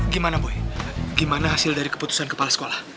gimana bu gimana hasil dari keputusan kepala sekolah